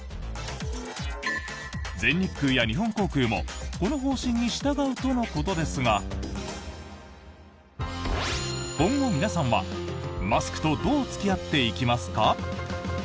全日空や日本航空もこの方針に従うとのことですが今後皆さんは、マスクとどう付き合っていきますか？